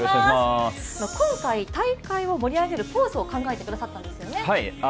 今回大会を盛り上げるポーズを考えくださったんですよね。